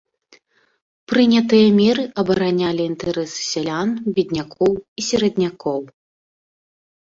Прынятыя меры абаранялі інтарэсы сялян беднякоў і сераднякоў.